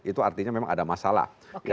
itu artinya memang ada masalah